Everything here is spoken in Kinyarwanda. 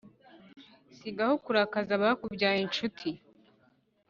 sigaho kurakaza abakubyaye nshuti